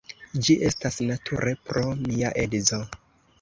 Ĝi estas nature pro mia edzo.